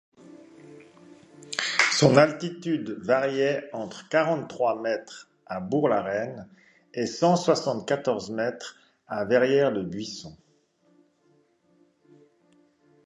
Son altitude variait entre quarante-trois mètres à Bourg-la-Reine et cent soixante-quatorze mètres à Verrières-le-Buisson.